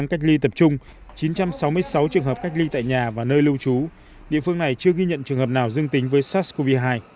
cách ly tập trung chín trăm sáu mươi sáu trường hợp cách ly tại nhà và nơi lưu trú địa phương này chưa ghi nhận trường hợp nào dương tính với sars cov hai